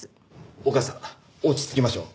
お母さん落ち着きましょう。